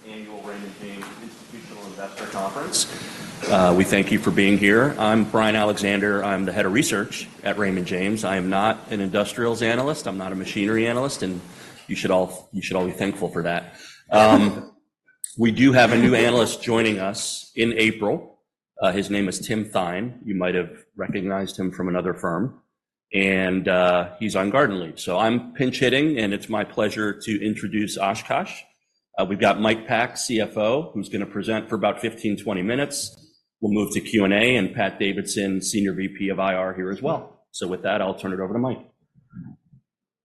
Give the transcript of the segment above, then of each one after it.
Welcome to the 45th Annual Raymond James Institutional Investor Conference. We thank you for being here. I'm Brian Alexander. I'm the head of research at Raymond James. I am not an industrials analyst. I'm not a machinery analyst, and you should all you should all be thankful for that. We do have a new analyst joining us in April. His name is Tim Thein. You might have recognized him from another firm. And, he's on garden leave. So I'm pinch hitting, and it's my pleasure to introduce Oshkosh. We've got Mike Pack, CFO, who's going to present for about 15-20 minutes. We'll move to Q&A, and Pat Davidson, Senior VP of IR, here as well. So with that, I'll turn it over to Mike.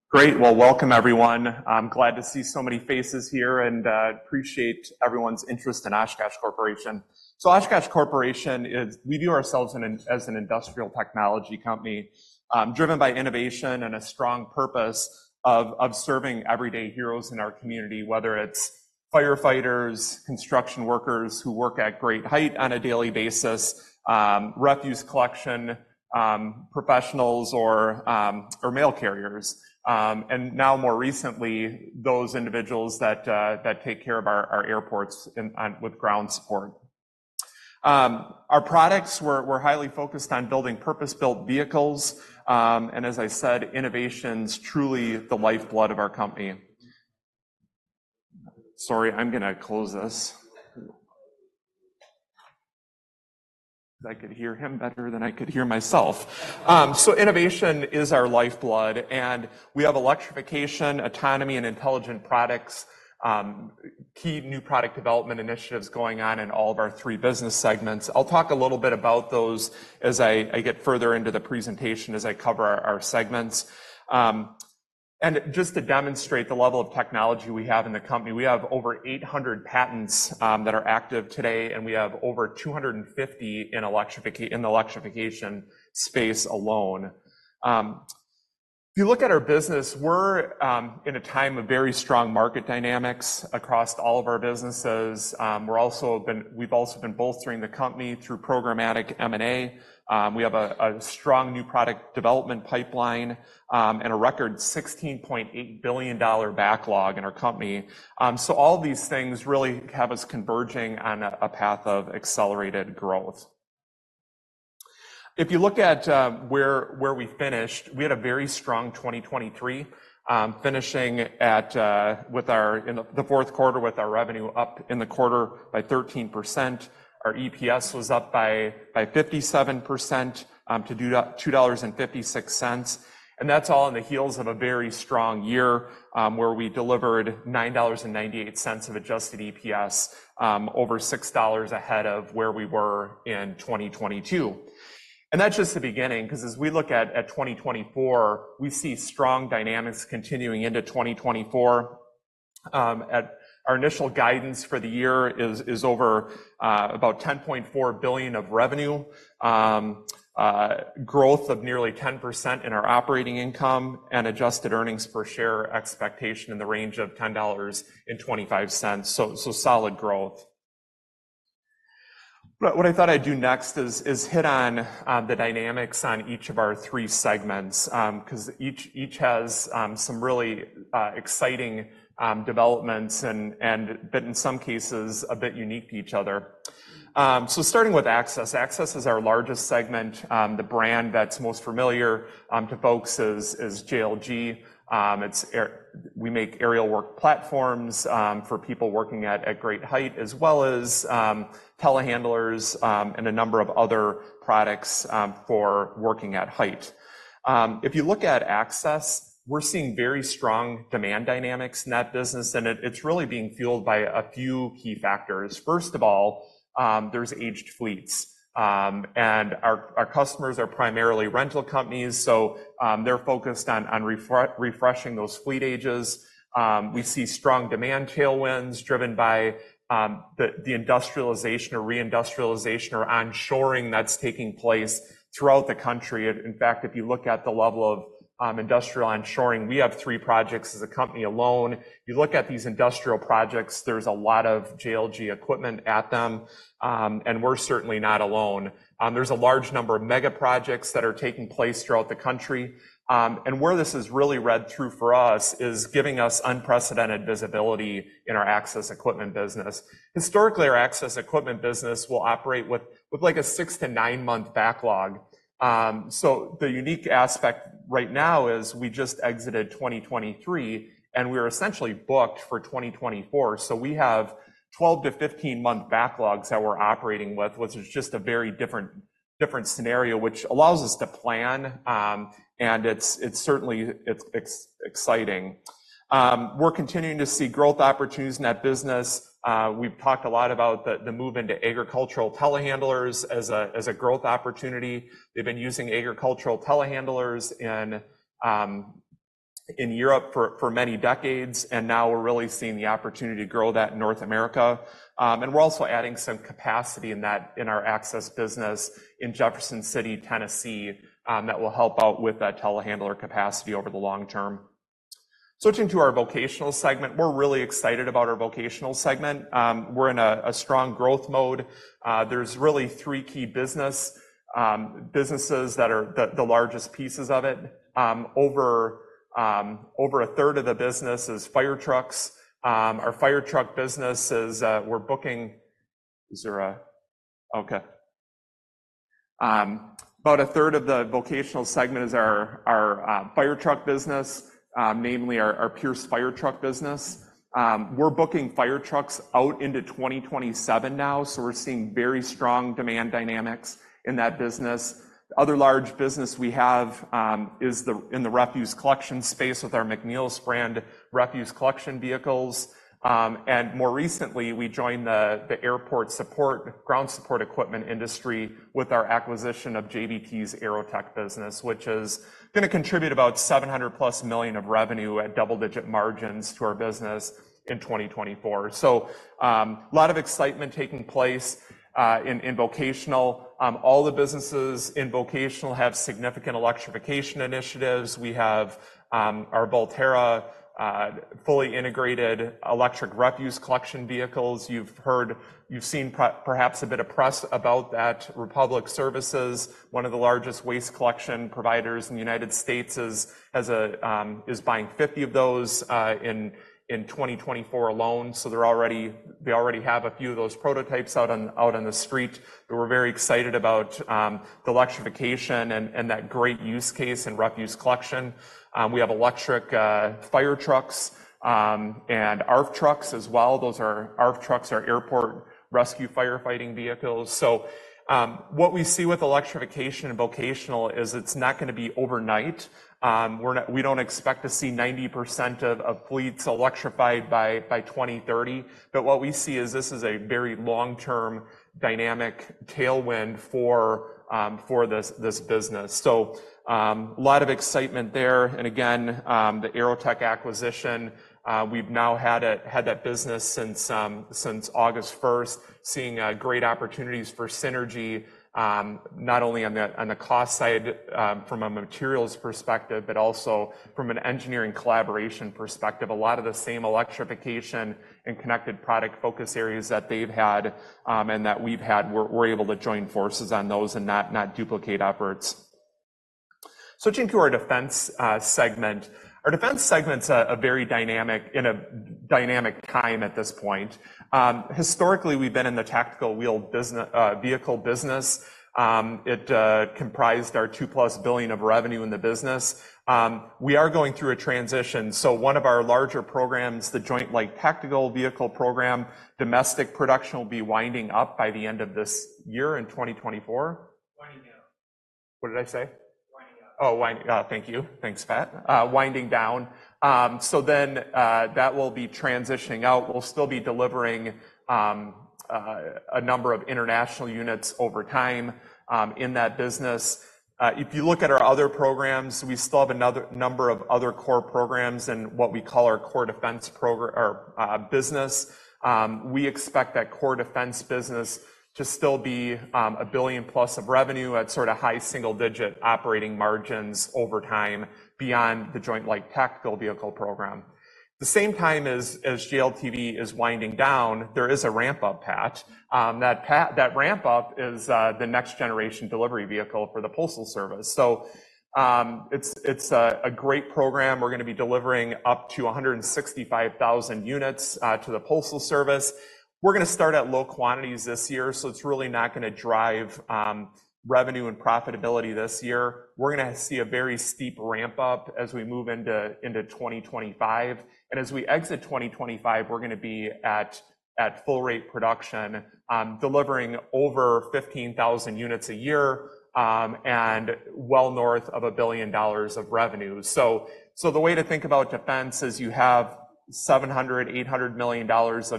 Great. Well, welcome, everyone. I'm glad to see so many faces here, and appreciate everyone's interest in Oshkosh Corporation. So, Oshkosh Corporation, we view ourselves as an industrial technology company, driven by innovation and a strong purpose of serving everyday heroes in our community, whether it's firefighters, construction workers who work at great height on a daily basis, refuse collection professionals, or mail carriers, and now more recently, those individuals that take care of our airports with ground support. Our products, we're highly focused on building purpose-built vehicles. And as I said, innovation's truly the lifeblood of our company. Sorry, I'm going to close this. If I could hear him better than I could hear myself. So innovation is our lifeblood, and we have electrification, autonomy, and intelligent products, key new product development initiatives going on in all of our three business segments. I'll talk a little bit about those as I get further into the presentation, as I cover our segments. And just to demonstrate the level of technology we have in the company, we have over 800 patents that are active today, and we have over 250 in electrification in the electrification space alone. If you look at our business, we're in a time of very strong market dynamics across all of our businesses. We've also been bolstering the company through programmatic M&A. We have a strong new product development pipeline, and a record $16.8 billion backlog in our company. So all of these things really have us converging on a path of accelerated growth. If you look at where we finished, we had a very strong 2023, finishing at with our in the fourth quarter with our revenue up in the quarter by 13%. Our EPS was up by 57%, to $2.56. And that's all in the heels of a very strong year, where we delivered $9.98 of adjusted EPS, over $6 ahead of where we were in 2022. And that's just the beginning, because as we look at 2024, we see strong dynamics continuing into 2024. At our initial guidance for the year is over about $10.4 billion of revenue, growth of nearly 10% in our operating income and adjusted earnings per share expectation in the range of $10.25. So solid growth. What I thought I'd do next is hit on the dynamics on each of our three segments, because each has some really exciting developments and been in some cases a bit unique to each other. So starting with Access. Access is our largest segment. The brand that's most familiar to folks is JLG. We make aerial work platforms for people working at great height, as well as telehandlers and a number of other products for working at height. If you look at Access, we're seeing very strong demand dynamics in that business, and it's really being fueled by a few key factors. First of all, there's aged fleets. Our customers are primarily rental companies, so they're focused on refreshing those fleet ages. We see strong demand tailwinds driven by the industrialization or re-industrialization or onshoring that's taking place throughout the country. In fact, if you look at the level of industrial onshoring, we have three projects as a company alone. If you look at these industrial projects, there's a lot of JLG equipment at them, and we're certainly not alone. There's a large number of mega projects that are taking place throughout the country. And where this has really read through for us is giving us unprecedented visibility in our access equipment business. Historically, our access equipment business will operate with like a 6- to 9-month backlog. So the unique aspect right now is we just exited 2023, and we're essentially booked for 2024. So we have 12-15-month backlogs that we're operating with, which is just a very different scenario, which allows us to plan, and it's certainly exciting. We're continuing to see growth opportunities in that business. We've talked a lot about the move into agricultural telehandlers as a growth opportunity. They've been using agricultural telehandlers in Europe for many decades, and now we're really seeing the opportunity to grow that in North America. We're also adding some capacity in our access business in Jefferson City, Tennessee, that will help out with that telehandler capacity over the long term. Switching to our vocational segment, we're really excited about our vocational segment. We're in a strong growth mode. There's really three key businesses that are the largest pieces of it. Over a third of the business is fire trucks. Our fire truck business is, we're booking. About a third of the vocational segment is our fire truck business, namely our Pierce fire truck business. We're booking fire trucks out into 2027 now, so we're seeing very strong demand dynamics in that business. Other large business we have is in the refuse collection space with our McNeilus brand refuse collection vehicles. And more recently, we joined the airport support ground support equipment industry with our acquisition of JBT's AeroTech business, which is going to contribute about $700+ million of revenue at double-digit margins to our business in 2024. So, a lot of excitement taking place in vocational. All the businesses in vocational have significant electrification initiatives. We have our Volterra fully integrated electric refuse collection vehicles. You've heard, you've seen, probably a bit of press about that. Republic Services, one of the largest waste collection providers in the United States, is buying 50 of those in 2024 alone. So they're already have a few of those prototypes out on the street. But we're very excited about the electrification and that great use case in refuse collection. We have electric fire trucks, and ARFF trucks as well. Those ARFF trucks are airport rescue firefighting vehicles. So, what we see with electrification in vocational is it's not going to be overnight. We don't expect to see 90% of fleets electrified by 2030. But what we see is this is a very long-term dynamic tailwind for this business. So, a lot of excitement there. And again, the AeroTech acquisition, we've now had that business since August 1st, seeing great opportunities for synergy, not only on the cost side, from a materials perspective, but also from an engineering collaboration perspective. A lot of the same electrification and connected product focus areas that they've had and that we've had, we're able to join forces on those and not duplicate efforts. Switching to our defense segment. Our defense segment's a very dynamic time at this point. Historically, we've been in the tactical wheeled vehicle business. It comprised our $2+ billion of revenue in the business. We are going through a transition. So one of our larger programs, the Joint Light Tactical Vehicle Program, domestic production will be winding up by the end of this year in 2024. Winding down. What did I say? Winding up. Thank you. Thanks, Pat. Winding down. So then, that will be transitioning out. We'll still be delivering a number of international units over time in that business. If you look at our other programs, we still have another number of other core programs in what we call our core defense program or business. We expect that core defense business to still be $1 billion+ of revenue at sort of high single-digit operating margins over time beyond the Joint Light Tactical Vehicle Program. At the same time as JLTV is winding down, there is a ramp-up path. That ramp-up is the Next Generation Delivery Vehicle for the Postal Service. So, it's a great program. We're going to be delivering up to 165,000 units to the Postal Service. We're going to start at low quantities this year, so it's really not going to drive revenue and profitability this year. We're going to see a very steep ramp-up as we move into 2025. And as we exit 2025, we're going to be at full-rate production, delivering over 15,000 units a year, and well north of $1 billion of revenue. So the way to think about defense is you have $700-$800 million of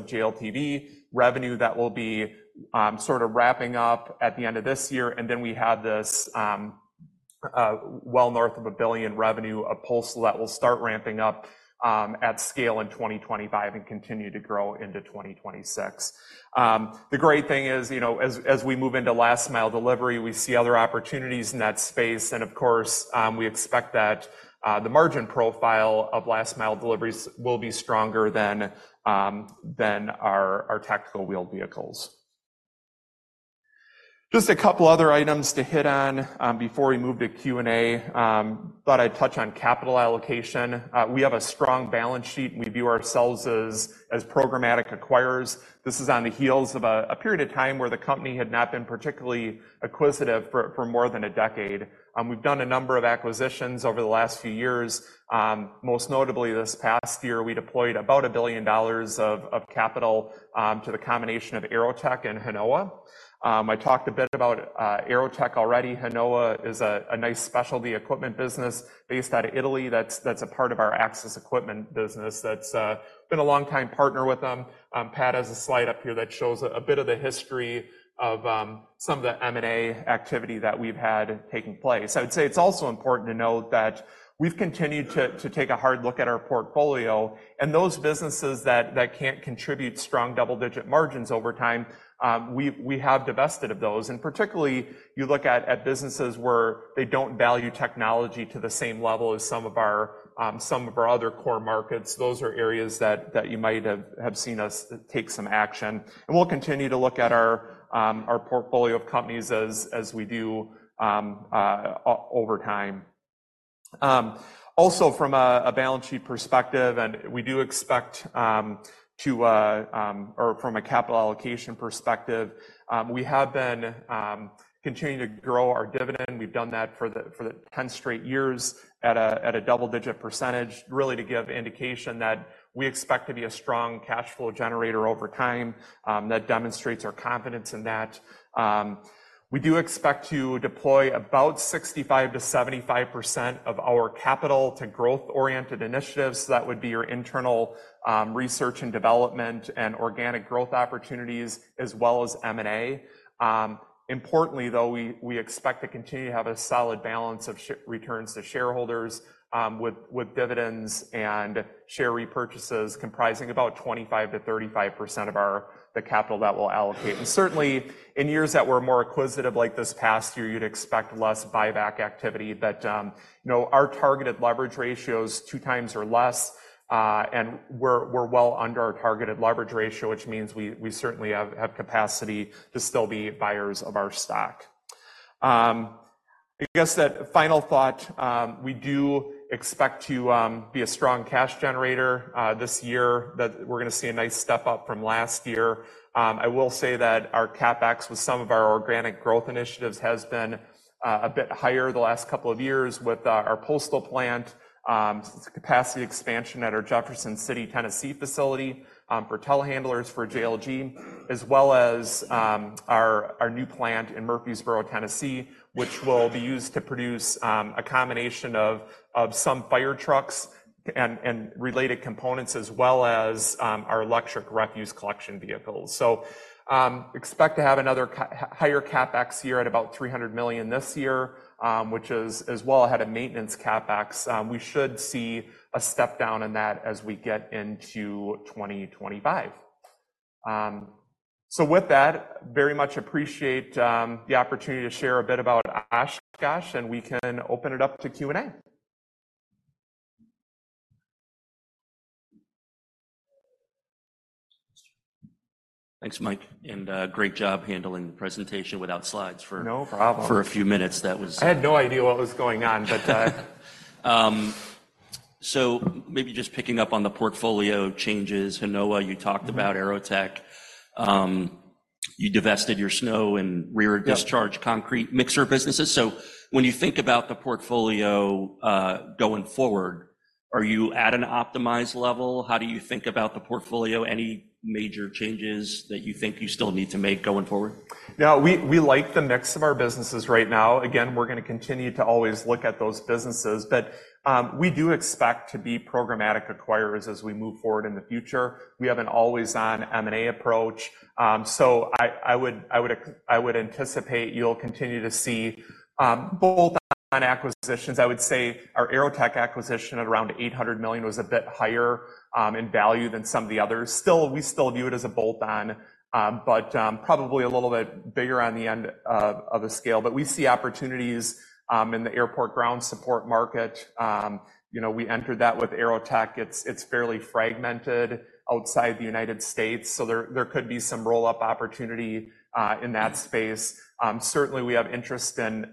JLTV revenue that will be sort of wrapping up at the end of this year, and then we have this well north of $1 billion revenue of Postal that will start ramping up at scale in 2025 and continue to grow into 2026. The great thing is, you know, as we move into last-mile delivery, we see other opportunities in that space, and of course, we expect that the margin profile of last-mile deliveries will be stronger than our tactical wheel vehicles. Just a couple other items to hit on, before we move to Q&A. Thought I'd touch on capital allocation. We have a strong balance sheet, and we view ourselves as programmatic acquirers. This is on the heels of a period of time where the company had not been particularly acquisitive for more than a decade. We've done a number of acquisitions over the last few years. Most notably, this past year, we deployed about $1 billion of capital to the combination of AeroTech and Hinowa. I talked a bit about AeroTech already. Hinowa is a nice specialty equipment business based out of Italy that's a part of our Access equipment business that's been a long-time partner with them. Pat has a slide up here that shows a bit of the history of some of the M&A activity that we've had taking place. I would say it's also important to note that we've continued to take a hard look at our portfolio, and those businesses that can't contribute strong double-digit margins over time, we have divested of those. Particularly, you look at businesses where they don't value technology to the same level as some of our other core markets. Those are areas that you might have seen us take some action. We'll continue to look at our portfolio of companies as we do over time. Also from a balance sheet perspective, and we do expect to or from a capital allocation perspective, we have been continuing to grow our dividend. We've done that for the 10 straight years at a double-digit percentage, really to give indication that we expect to be a strong cash flow generator over time, that demonstrates our confidence in that. We do expect to deploy about 65%-75% of our capital to growth-oriented initiatives. So that would be your internal research and development and organic growth opportunities, as well as M&A. Importantly, though, we expect to continue to have a solid balance of shareholder returns to shareholders, with dividends and share repurchases comprising about 25%-35% of our capital that we'll allocate. And certainly, in years that were more acquisitive, like this past year, you'd expect less buyback activity. But, you know, our targeted leverage ratio is 2x or less, and we're, we're well under our targeted leverage ratio, which means we, we certainly have, have capacity to still be buyers of our stock. I guess that final thought, we do expect to be a strong cash generator this year, that we're going to see a nice step up from last year. I will say that our CapEx with some of our organic growth initiatives has been a bit higher the last couple of years with our Postal Plant capacity expansion at our Jefferson City, Tennessee facility for telehandlers for JLG, as well as our new plant in Murfreesboro, Tennessee, which will be used to produce a combination of some fire trucks and related components, as well as our electric refuse collection vehicles. So, expect to have another higher CapEx year at about $300 million this year, which is as well ahead of maintenance CapEx. We should see a step down in that as we get into 2025. So with that, very much appreciate the opportunity to share a bit about Oshkosh, and we can open it up to Q&A. Thanks, Mike. And great job handling the presentation without slides for. No problem. For a few minutes. That was. I had no idea what was going on, but, Maybe just picking up on the portfolio changes. Hinowa, you talked about AeroTech. You divested your snow and rear-discharge concrete mixer businesses. When you think about the portfolio, going forward, are you at an optimized level? How do you think about the portfolio? Any major changes that you think you still need to make going forward? Now, we like the mix of our businesses right now. Again, we're going to continue to always look at those businesses, but we do expect to be programmatic acquirers as we move forward in the future. We have an always-on M&A approach. So I would anticipate you'll continue to see bolt-on acquisitions. I would say our AeroTech acquisition at around $800 million was a bit higher in value than some of the others. Still, we still view it as a bolt-on, but probably a little bit bigger on the end of a scale. But we see opportunities in the airport ground support market. You know, we entered that with AeroTech. It's fairly fragmented outside the United States, so there could be some roll-up opportunity in that space. Certainly, we have interest in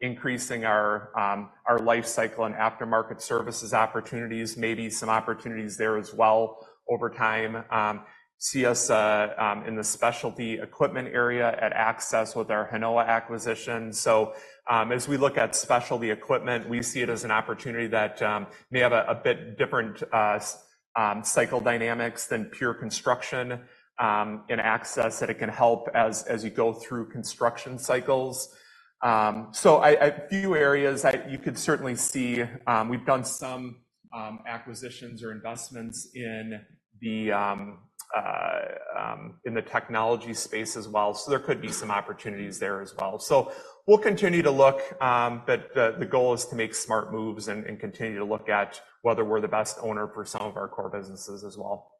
increasing our lifecycle and aftermarket services opportunities, maybe some opportunities there as well over time. See us in the specialty equipment area at Access with our Hinowa acquisition. So, as we look at specialty equipment, we see it as an opportunity that may have a bit different cycle dynamics than pure construction in Access, that it can help as you go through construction cycles. So, I see a few areas you could certainly see we've done some acquisitions or investments in the technology space as well. So there could be some opportunities there as well. So we'll continue to look, but the goal is to make smart moves and continue to look at whether we're the best owner for some of our core businesses as well.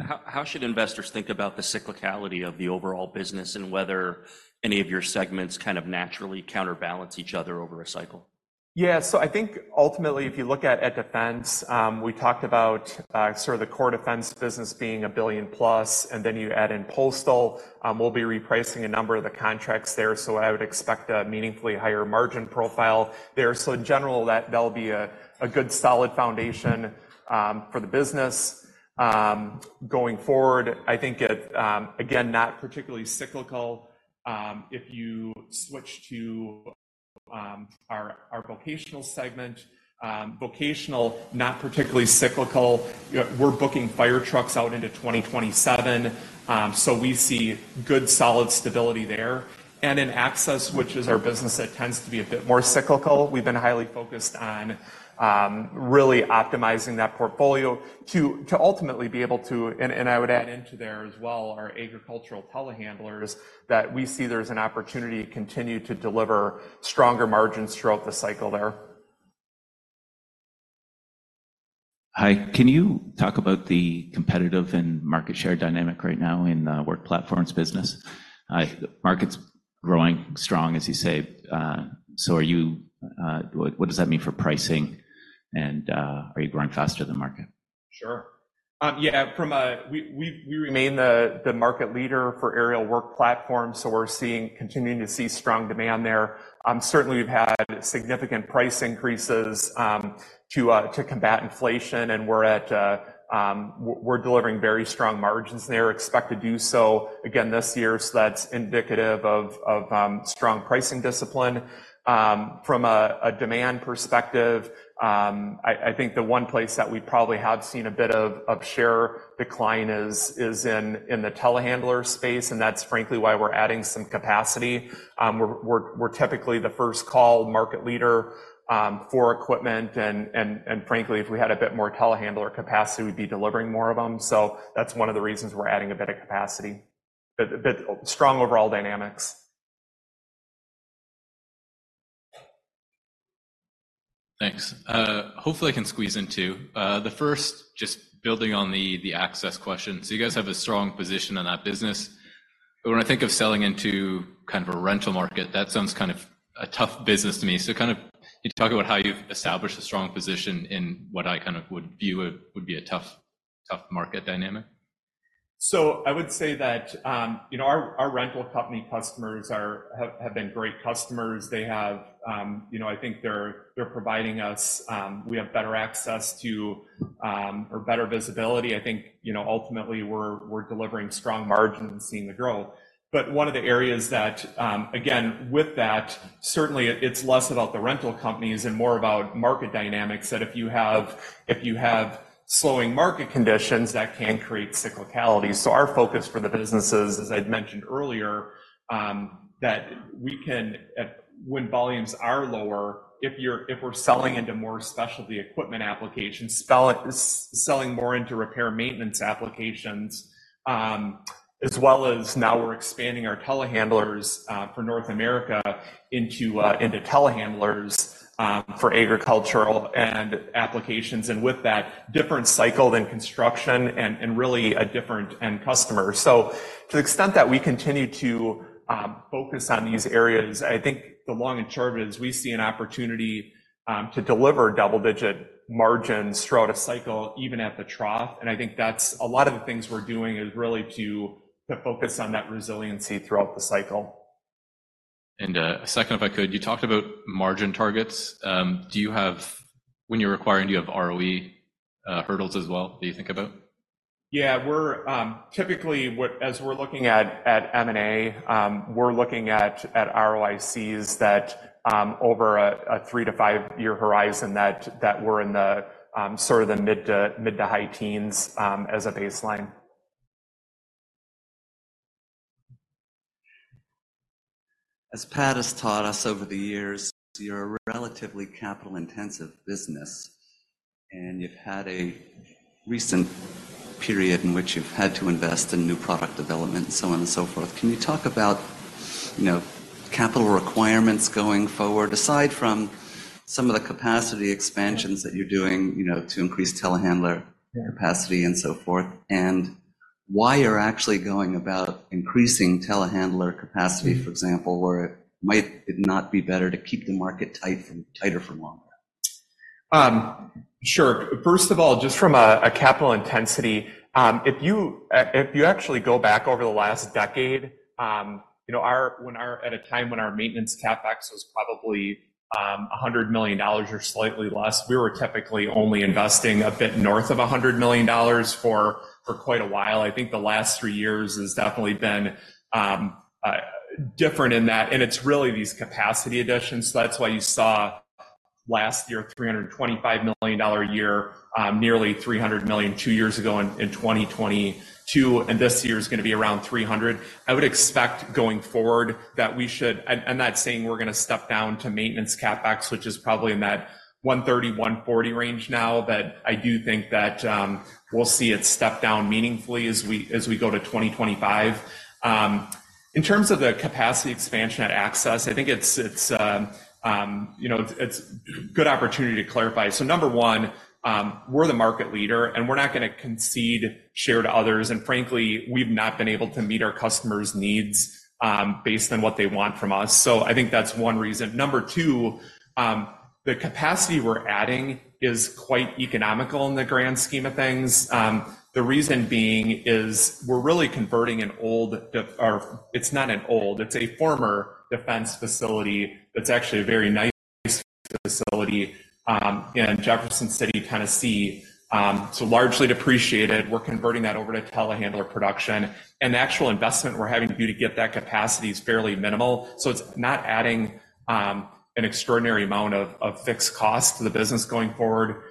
How, how should investors think about the cyclicality of the overall business and whether any of your segments kind of naturally counterbalance each other over a cycle? Yeah. So I think ultimately, if you look at defense, we talked about sort of the core defense business being $1 billion plus, and then you add in Postal. We'll be repricing a number of the contracts there, so I would expect a meaningfully higher margin profile there. So in general, that'll be a good solid foundation for the business going forward. I think it, again, not particularly cyclical. If you switch to our vocational segment, vocational, not particularly cyclical. We're booking fire trucks out into 2027, so we see good solid stability there. In Access, which is our business that tends to be a bit more cyclical, we've been highly focused on really optimizing that portfolio to ultimately be able to, and I would add into there as well our agricultural telehandlers, that we see there's an opportunity to continue to deliver stronger margins throughout the cycle there. Hi. Can you talk about the competitive and market share dynamic right now in the work platforms business? If the market's growing strong, as you say. So are you? What, what does that mean for pricing, and are you growing faster than market? Sure. Yeah. From a, we remain the market leader for Aerial Work Platforms, so we're continuing to see strong demand there. Certainly, we've had significant price increases to combat inflation, and we're delivering very strong margins there, expect to do so again this year. So that's indicative of strong pricing discipline. From a demand perspective, I think the one place that we probably have seen a bit of share decline is in the telehandler space, and that's frankly why we're adding some capacity. We're typically the first-call market leader for equipment, and frankly, if we had a bit more telehandler capacity, we'd be delivering more of them. So that's one of the reasons we're adding a bit of capacity. But strong overall dynamics. Thanks. Hopefully, I can squeeze in two. The first, just building on the, the Access question. So you guys have a strong position in that business. But when I think of selling into kind of a rental market, that sounds kind of a tough business to me. So kind of can you talk about how you've established a strong position in what I kind of would view would be a tough, tough market dynamic? So I would say that, you know, our rental company customers have been great customers. They have, you know, I think they're providing us, we have better access to, or better visibility. I think, you know, ultimately, we're delivering strong margins and seeing the growth. But one of the areas that, again, with that, certainly, it's less about the rental companies and more about market dynamics, that if you have slowing market conditions, that can create cyclicality. So our focus for the businesses, as I'd mentioned earlier, that we can at when volumes are lower, if we're selling into more specialty equipment applications, selling more into repair maintenance applications, as well as now we're expanding our telehandlers for North America into telehandlers for agricultural and applications, and with that, different cycle than construction and really a different end customer. So to the extent that we continue to focus on these areas, I think the long and short of it is we see an opportunity to deliver double-digit margins throughout a cycle, even at the trough. I think that's a lot of the things we're doing is really to focus on that resiliency throughout the cycle. A second, if I could. You talked about margin targets. Do you have when you're acquiring, do you have ROE, hurdles as well that you think about? Yeah. We're typically, as we're looking at M&A, we're looking at ROICs that, over a 3- to 5-year horizon, that we're in the sort of mid- to high teens, as a baseline. As Pat has taught us over the years, you're a relatively capital-intensive business, and you've had a recent period in which you've had to invest in new product development and so on and so forth. Can you talk about, you know, capital requirements going forward, aside from some of the capacity expansions that you're doing, you know, to increase telehandler capacity and so forth, and why you're actually going about increasing telehandler capacity, for example, where it might not be better to keep the market tight for tighter for longer? Sure. First of all, just from a capital intensity, if you actually go back over the last decade, you know, at a time when our maintenance CapEx was probably $100 million or slightly less, we were typically only investing a bit north of $100 million for quite a while. I think the last three years has definitely been different in that. And it's really these capacity additions. So that's why you saw last year $325 million a year, nearly $300 million two years ago in 2022, and this year is going to be around $300. I would expect going forward that we should, and that's saying we're going to step down to maintenance CapEx, which is probably in that $130-$140 range now, but I do think that we'll see it step down meaningfully as we go to 2025. In terms of the capacity expansion at Access, I think it's, you know, it's a good opportunity to clarify. So number one, we're the market leader, and we're not going to concede share to others. And frankly, we've not been able to meet our customers' needs, based on what they want from us. So I think that's one reason. Number two, the capacity we're adding is quite economical in the grand scheme of things. The reason being is we're really converting an old defense facility, or it's not an old. It's a former defense facility. It's actually a very nice facility, in Jefferson City, Tennessee. So largely depreciated. We're converting that over to telehandler production. And the actual investment we're having to do to get that capacity is fairly minimal. So it's not adding an extraordinary amount of fixed cost to the business going forward.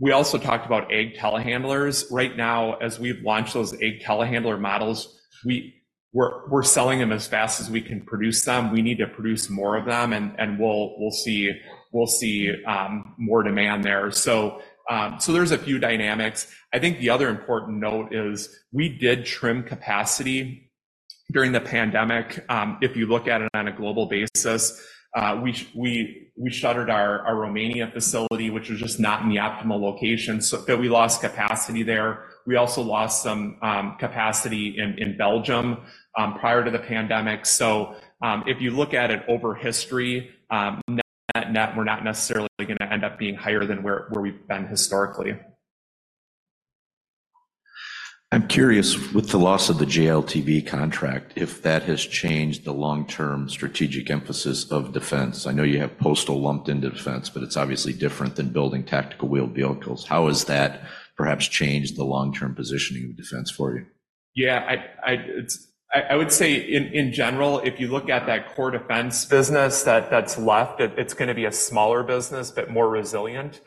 We also talked about ag telehandlers. Right now, as we've launched those ag telehandler models, we're selling them as fast as we can produce them. We need to produce more of them, and we'll see more demand there. So there's a few dynamics. I think the other important note is we did trim capacity during the pandemic. If you look at it on a global basis, we shuttered our Romania facility, which was just not in the optimal location, so that we lost capacity there. We also lost some capacity in Belgium, prior to the pandemic. So, if you look at it over history, net net, we're not necessarily going to end up being higher than where we've been historically. I'm curious, with the loss of the JLTV contract, if that has changed the long-term strategic emphasis of defense? I know you have Postal lumped into defense, but it's obviously different than building tactical wheeled vehicles. How has that perhaps changed the long-term positioning of defense for you? Yeah. I would say, in general, if you look at that core defense business that's left, it's going to be a smaller business but more resilient.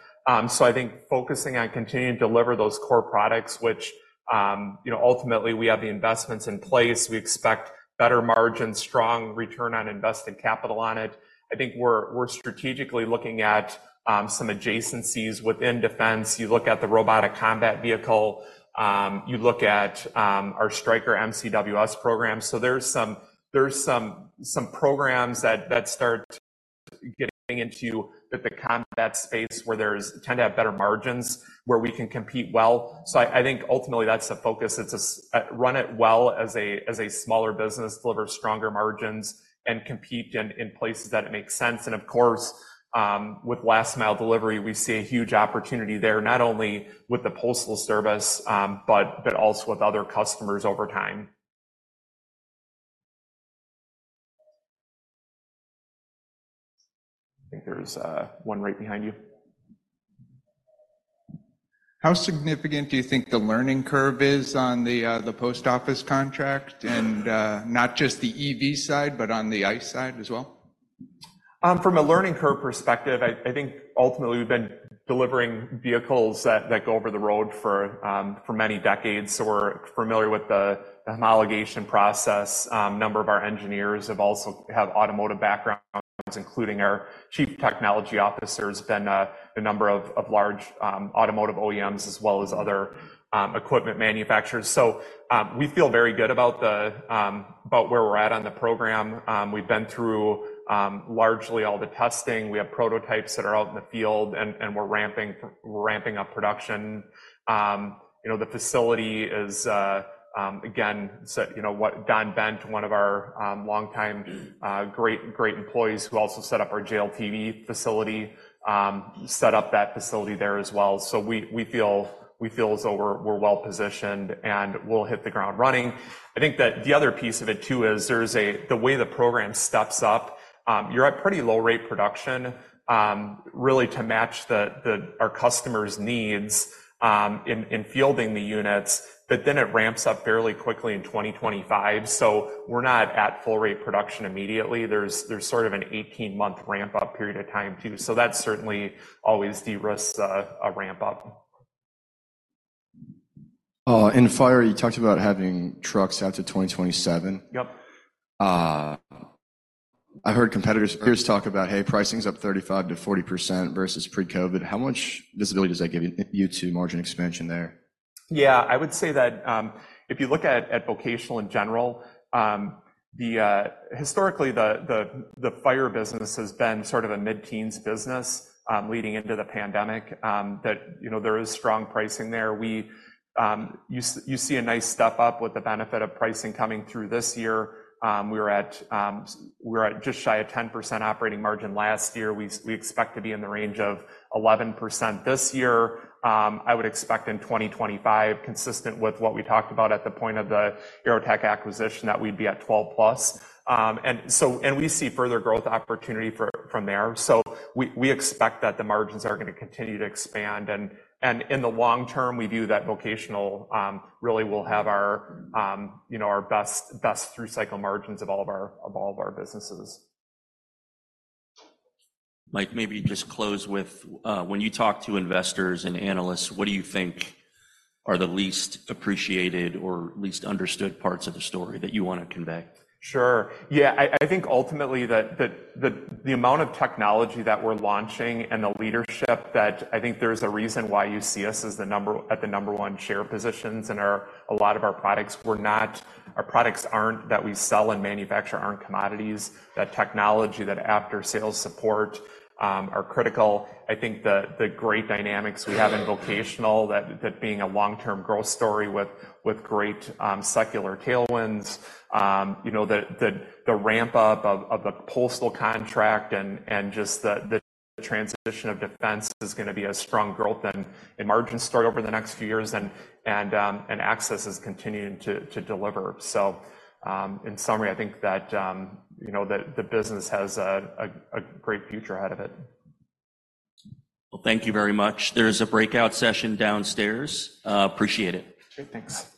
So I think focusing on continuing to deliver those core products, which, you know, ultimately, we have the investments in place. We expect better margins, strong return on invested capital on it. I think we're strategically looking at some adjacencies within defense. You look at the Robotic Combat Vehicle. You look at our Stryker MCWS program. So there's some programs that start getting into the combat space where there tend to have better margins, where we can compete well. So I think ultimately, that's the focus. It's to run it well as a smaller business, deliver stronger margins, and compete in places that it makes sense. And of course, with last-mile delivery, we see a huge opportunity there, not only with the Postal Service, but also with other customers over time. I think there's one right behind you. How significant do you think the learning curve is on the Post Office contract, and not just the EV side, but on the ICE side as well? From a learning curve perspective, I, I think ultimately, we've been delivering vehicles that, that go over the road for, for many decades. So we're familiar with the homologation process. A number of our engineers have also have automotive backgrounds, including our Chief Technology Officer has been, a number of, of large, automotive OEMs as well as other, equipment manufacturers. So, we feel very good about the, about where we're at on the program. We've been through, largely all the testing. We have prototypes that are out in the field, and, and we're ramping for we're ramping up production. You know, the facility is, again, so you know, what Don Bent, one of our, long-time, great, great employees who also set up our JLTV facility, set up that facility there as well. So we, we feel we feel as though we're, we're well positioned, and we'll hit the ground running. I think that the other piece of it, too, is there's the way the program steps up, you're at pretty low-rate production, really to match our customers' needs in fielding the units, but then it ramps up fairly quickly in 2025. So we're not at full-rate production immediately. There's sort of an 18-month ramp-up period of time, too. So that's certainly always de-risked a ramp-up. and Pierce, you talked about having trucks out to 2027. Yep. I heard competitors peers talk about, "Hey, pricing's up 35%-40% versus pre-COVID." How much visibility does that give you, you two margin expansion there? Yeah. I would say that, if you look at vocational in general, historically, the fire business has been sort of a mid-teens business, leading into the pandemic, that, you know, there is strong pricing there. You see a nice step up with the benefit of pricing coming through this year. We were at just shy of 10% operating margin last year. We expect to be in the range of 11% this year. I would expect in 2025, consistent with what we talked about at the point of the AeroTech acquisition, that we'd be at 12+. And we see further growth opportunity from there. So we expect that the margins are going to continue to expand. In the long term, we view that Vocational really will have our, you know, our best through-cycle margins of all of our businesses. Mike, maybe just close with, when you talk to investors and analysts, what do you think are the least appreciated or least understood parts of the story that you want to convey? Sure. Yeah. I think ultimately that the amount of technology that we're launching and the leadership that I think there's a reason why you see us as the number one share positions in a lot of our products. Our products that we sell and manufacture aren't commodities. That technology, that after-sales support, are critical. I think the great dynamics we have in Vocational, that being a long-term growth story with great secular tailwinds, you know, that the ramp-up of the Postal contract and just the transition of Defense is going to be a strong growth and margin story over the next few years, and Access is continuing to deliver. So, in summary, I think that, you know, that the business has a great future ahead of it. Well, thank you very much. There's a breakout session downstairs. Appreciate it. Sure. Thanks.